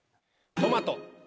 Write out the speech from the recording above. トマト。